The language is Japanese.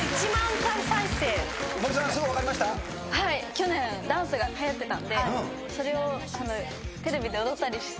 去年ダンスがはやってたんでそれをテレビで踊ったりしてたので。